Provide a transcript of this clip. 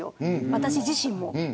私自身も。